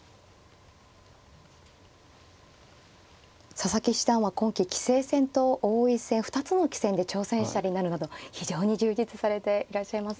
佐々木七段は今期棋聖戦と王位戦２つの棋戦で挑戦者になるなど非常に充実されていらっしゃいますね。